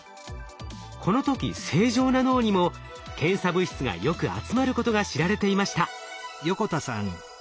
この時正常な脳にも検査物質がよく集まることが知られていました。